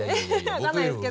分かんないですけど。